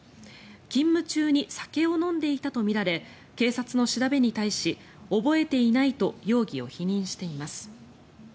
勤務中に酒を飲んでいたとみられ警察の調べに対し覚えていないと容疑を否認しています。